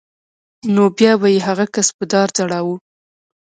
نو بیا به یې هغه کس په دار ځړاوه